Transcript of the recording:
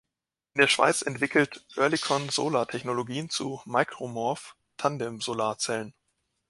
In der Schweiz entwickelt Oerlikon Solar Technologien zu „Micromorph“-Tandemsolarzellen.